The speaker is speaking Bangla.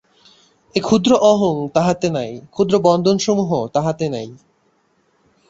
এই ক্ষুদ্র অহং তাঁহাতে নাই, ক্ষুদ্র বন্ধনসমূহ তাঁহাতে নাই।